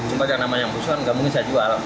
cuma jangan namanya yang busukan gak mungkin saya jual